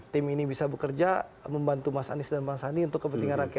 tim ini bisa bekerja membantu mas anies dan bang sandi untuk kepentingan rakyat